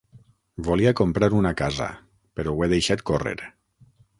Volia comprar una casa, però ho he deixat córrer.